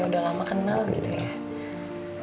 udah lama kenal gitu ya